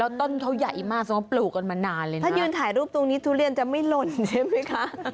ต้นเขาใหญ่มากสมมุติปลูกกันมานานเลยนะถ้ายืนถ่ายรูปตรงนี้ทุเรียนจะไม่หล่นใช่ไหมคะ